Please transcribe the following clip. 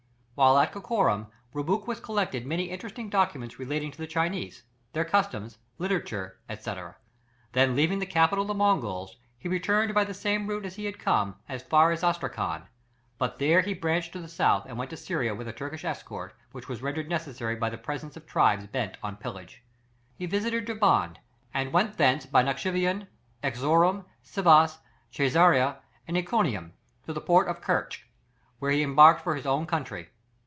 While at Karakorum, Rubruquis collected many interesting documents relating to the Chinese, their customs, literature, &c. then leaving the capital of the Mongols, he returned by the same route as he had come, as far as Astrakhan; but there he branched to the south and went to Syria with a Turkish escort, which was rendered necessary by the presence of tribes bent on pillage. He visited Derbend, and went thence by Nakshivan, Erzeroum, Sivas, Cæsarea, and Iconium, to the port of Kertch, whence he embarked for his own country.